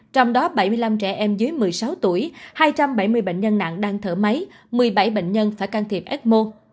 trong đó bảy mươi năm trẻ em dưới một mươi sáu tuổi hai trăm bảy mươi bệnh nhân nặng đang thở máy một mươi bảy bệnh nhân phải can thiệp ecmo